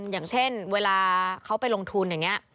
อย่างเช่นเวลาเขาไปลงทุนอย่างนี้